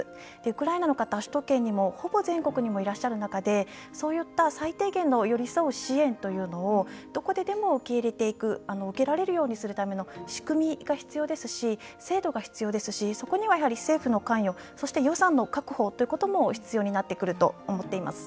ウクライナの方、首都圏にもほぼ全国にもいらっしゃる中でそういった最低限の寄り添う支援というのをどこででも受け入れていく受けられるようにするための仕組みが必要ですし制度が必要ですしそこには、やはり政府の関与そして、予算の確保ということも必要になってくると思っています。